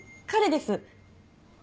彼です。